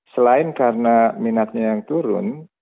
selain karena minatnya yang turun